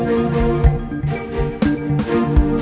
bapak kenapa pak